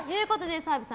澤部さん